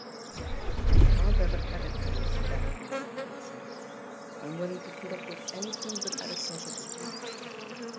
"I can't have an adipose Daphne," he had said; "I'm willing to put up with anything but adiposity!"